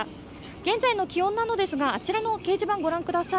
現在の気温なのですが、あちらの掲示板、ご覧ください。